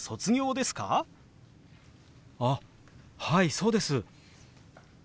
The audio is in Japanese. あっはいそうです！